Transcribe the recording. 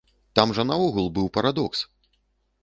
Там жа наогул быў парадокс!